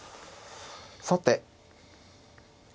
さて。